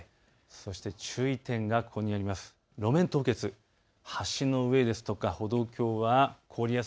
そして注意点がこうなります。